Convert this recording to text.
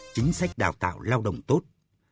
chín chính sách đào tạo lao động tốt